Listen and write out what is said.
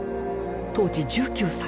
当時１９歳。